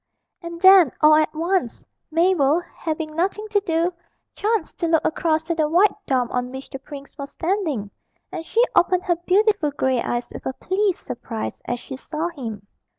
And then all at once, Mabel, having nothing to do, chanced to look across to the white dome on which the prince was standing, and she opened her beautiful grey eyes with a pleased surprise as she saw him.